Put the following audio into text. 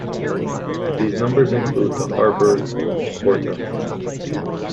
These numbers include the Harburg quarter.